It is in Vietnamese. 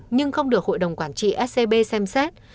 nhưng không được hội đồng quản trị scb xem xét